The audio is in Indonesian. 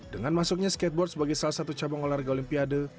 dengan masuknya skateboard sebagai salah satu cabang olahraga olimpiade